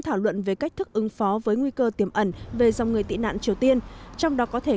thảo luận về cách thức ứng phó với nguy cơ tiềm ẩn về dòng người tị nạn triều tiên trong đó có thể